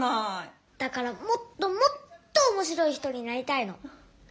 だからもっともっとおもしろい人になりたいの。